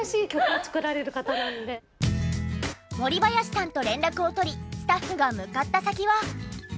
もりばやしさんと連絡をとりスタッフが向かった先は。